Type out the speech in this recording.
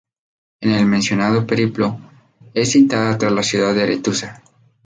En el mencionado periplo es citada tras la ciudad de Aretusa.